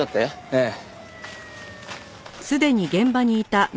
ええ。